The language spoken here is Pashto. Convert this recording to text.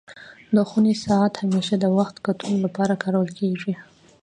د خوني ساعت همېشه د وخت کتلو لپاره کارول کيږي.